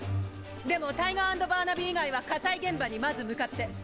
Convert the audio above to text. でもタイガー＆バーナビー以外は火災現場にまず向かって。